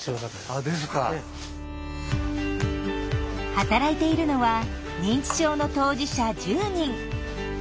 働いているのは認知症の当事者１０人。